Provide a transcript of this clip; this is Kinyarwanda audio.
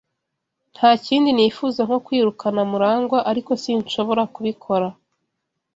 Nta kindi nifuza nko kwirukana MuragwA, ariko sinshobora kubikora.